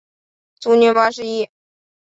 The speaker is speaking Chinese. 卒年八十一。